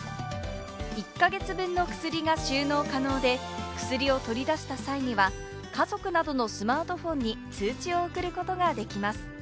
１か月分の薬が収納可能で、薬を取り出した際には、家族などのスマートフォンに通知を送ることができます。